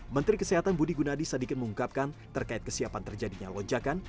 menteri kesehatan budi gunadi sadikin mengungkapkan terkait kesiapan terjadinya lonjakan